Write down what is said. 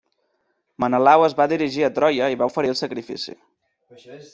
Menelau es va dirigir a Troia i va oferir el sacrifici.